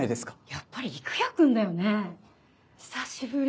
やっぱり育哉君だよね久しぶり。